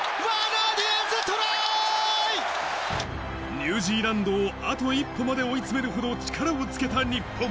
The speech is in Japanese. ニュージーランドをあと一歩まで追い詰めるほど力をつけた日本。